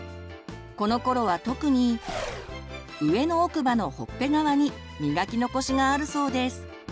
このころは特に上の奥歯のほっぺ側に磨き残しがあるそうです。